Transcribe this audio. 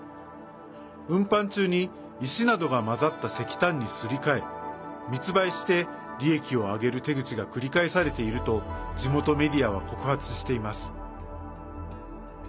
運搬中に石などが混ざった石炭にすり替え密売して利益を上げる手口が繰り返されていると地元メディアは告発しています。